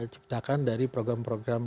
ciptakan dari program program